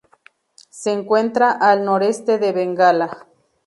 Se encuentra al noreste de Bengala.